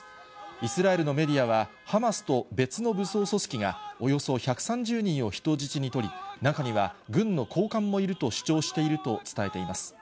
イスラエルのメディアは、ハマスと別の武装組織がおよそ１３０人を人質に取り、中には軍の高官もいると主張していると伝えています。